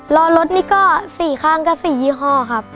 รอรถนี่ก็๔ข้างก็๔ยี่ห้อครับ